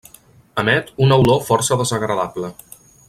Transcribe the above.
Emet una olor força desagradable.